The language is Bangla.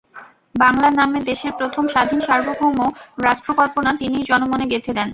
বাংলা নামের দেশের প্রথম স্বাধীন সার্বভৌম রাষ্ট্রকল্পনা তিনিই জনমনে গেঁথে দেন।